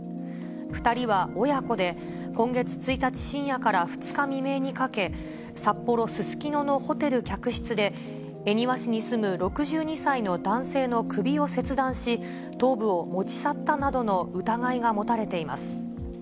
２人は親子で、今月１日深夜から２日未明にかけ、札幌・すすきののホテル客室で、恵庭市に住む６２歳の男性の首を切断し、頭部を持ち去ったなどの疑いが持たれています。